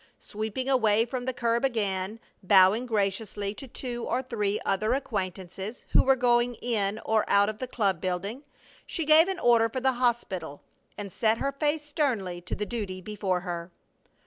Sweeping away from the curb again, bowing graciously to two or three other acquaintances who were going in or out of the club building, she gave an order for the hospital and set her face sternly to the duty before her.